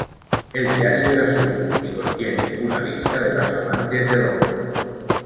El diario era suyo y contiene una lista de las amantes del hombre.